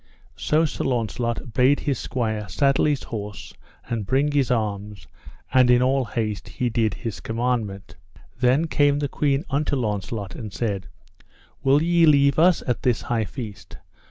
So Sir Launcelot bade his squire saddle his horse and bring his arms; and in all haste he did his commandment. Then came the queen unto Launcelot, and said: Will ye leave us at this high feast?